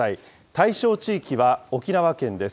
対象地域は沖縄県です。